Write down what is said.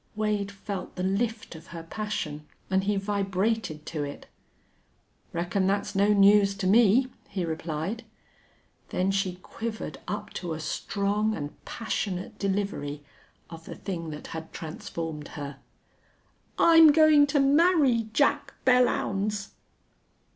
_" Wade felt the lift of her passion, and he vibrated to it. "Reckon that's no news to me," he replied. Then she quivered up to a strong and passionate delivery of the thing that had transformed her. "I'M GOING TO MARRY JACK BELLLOUNDS!"